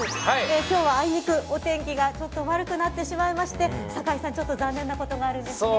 今日は、あいにくお天気が悪くなってしまいまして酒井さん、ちょっと残念なことがあるんですよね。